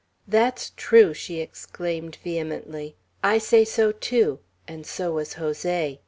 "That's true." she exclaimed vehemently. "I say so too; and so was Jose.